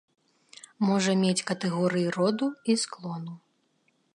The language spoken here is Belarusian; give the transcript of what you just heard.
Можа мець катэгорыі роду і склону.